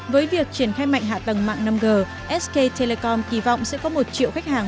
với việc triển khai mạnh hạ tầng mạng năm g sk telecom kỳ vọng sẽ có một triệu khách hàng